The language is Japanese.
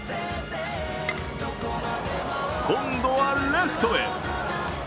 今度はレフトへ。